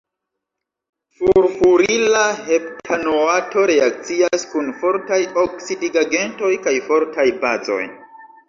Furfurila heptanoato reakcias kun fortaj oksidigagentoj kaj fortaj bazoj.